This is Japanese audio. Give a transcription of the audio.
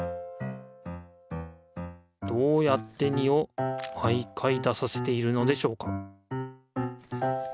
どうやって２を毎回出させているのでしょうか？